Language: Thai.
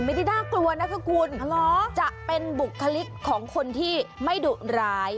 ไม่ได้น่ากลัวนะคะคุณจะเป็นบุคลิกของคนที่ไม่ดุร้าย